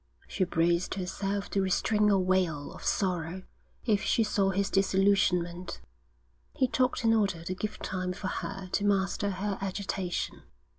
She braced herself to restrain a wail of sorrow if she saw his disillusionment. He talked in order to give time for her to master her agitation.